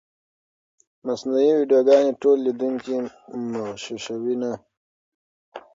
مصنوعي ویډیوګانې ټول لیدونکي مغشوشوي نه.